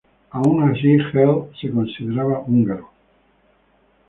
Aun así, Hell se consideraba húngaro.